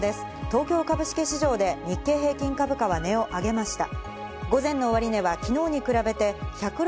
東京株式市場で日経平均株価は値を上げました。